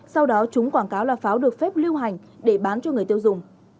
sau đó chúng quảng cáo là pháo được phép lưu hành để bán cho người tiêu dùng